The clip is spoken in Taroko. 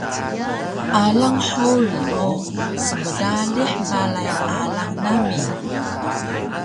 Alang Holi o smdalih balay alang nami